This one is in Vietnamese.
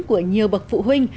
của nhiều bậc phụ huynh